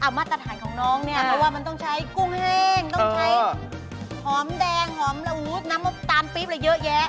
มาตรฐานของน้องเนี่ยเพราะว่ามันต้องใช้กุ้งแห้งต้องใช้หอมแดงหอมละอู๊ดน้ำมกตาลปี๊บอะไรเยอะแยะ